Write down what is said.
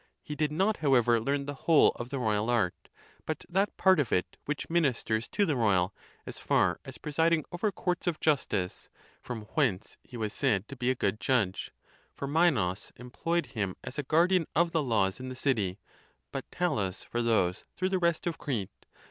He did not however learn the whole of the royal art, but that part of it, which ministers to the royal, as far as presiding over courts of justice ; from whence he was said to be a good judge. For Minos employed him as a guardian of the laws in the city; but Ta lus for those through the rest of Crete.